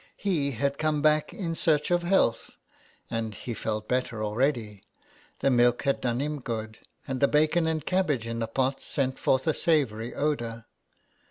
He had come back in search of health; and he felt better already ; the milk had done him good, and the bacon and cabbage in the pot sent forth a savoury odour.